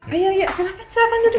ayo ya silahkan duduk